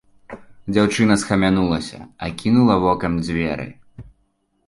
Дзяўчына схамянулася, акінула вокам дзверы.